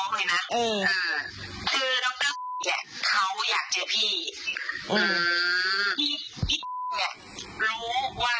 พี่ช่วยพี่อย่ายุ่งกับพี่เนี่ย